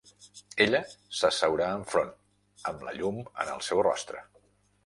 Ella s'asseurà enfront, amb la llum en el seu rostre.